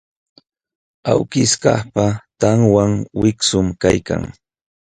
Awkishkaqpa tanwan wiksum kaykan.